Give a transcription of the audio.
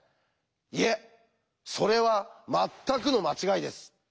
いえそれは全くの間違いです。